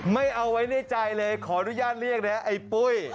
ไม่เอาไว้ในใจเลยขออนุญาตเรียกนะไอ้ปุ้ย